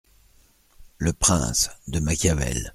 Le Prince, de Machiavel !